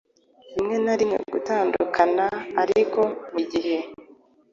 Rimwe na rimwe gutandukanaariko burigihe